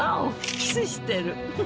キスしてる。